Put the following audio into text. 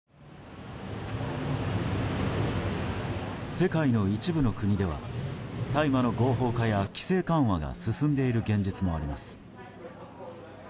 世界の一部の国では大麻の合法化や規制緩和が進んでいる現実もあります。